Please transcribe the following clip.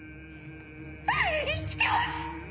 生きてます！